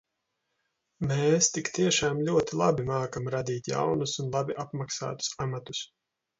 Mēs tik tiešām ļoti labi mākam radīt jaunus un labi apmaksātus amatus.